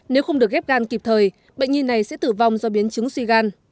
nếu không được ghép gan kịp thời bệnh nhi này sẽ tử vong do biến chứng suy gan